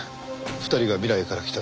２人が未来から来ただなんて。